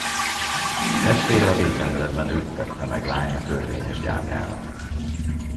Testvére a végrendeletben őt tette meg lánya törvényes gyámjának.